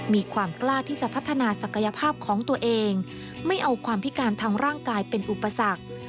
มีความกล้าที่จะพัฒนาศักยภาพของตัวเองไม่เอาความพิการทางร่างกายเป็นอุปสรรค